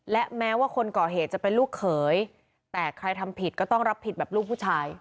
และแม้ว่าคนก่อเหตุจะเป็นลูกเขยแต่ใครทำผิดก็ต้องรับผิดแบบลูกผู้ชาย